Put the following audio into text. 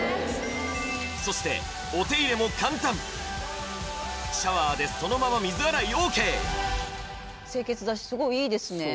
そしてお手入れも簡単シャワーでそのまま水洗いＯＫ